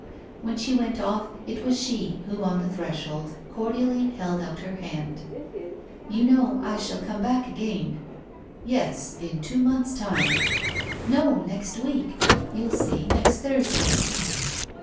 When she went off, it was she who on the threshold cordially held out her hand. 'You know, I shall come back again ' 'Yes, in two months' time.' 'No, next week. You'll see, next Thursday.